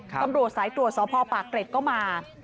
แล้วสายตัวสพเกรดก็มา